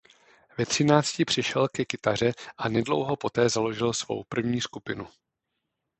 Ve třinácti přešel ke kytaře a nedlouho poté založil svou první skupinu.